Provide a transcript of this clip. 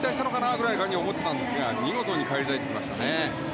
ぐらいに思ってたんですが見事に返り咲いてきましたね。